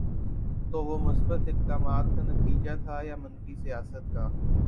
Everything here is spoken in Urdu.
تو وہ مثبت اقدامات کا نتیجہ تھا یا منفی سیاست کا؟